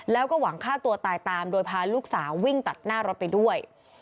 แล้วก็หวังฆ่าตัวตายตามโดยพาลูกสาววิ่งตัดหน้ารถไปด้วย